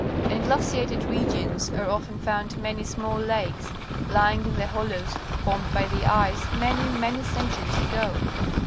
In glaciated regions are often found many small lakes, Ijnng in the hollows formed by the ice many, many centuries ago.